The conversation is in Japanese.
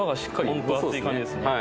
はい分厚い感じですね